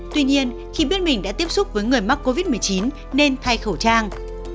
tuy nhiên khi biết mình đã tiếp xúc với người mắc covid một mươi chín nên thay khẩu trang